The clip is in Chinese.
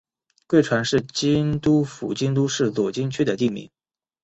贵船是京都府京都市左京区的地名。